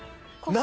何？